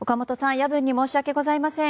夜分に申し訳ございません。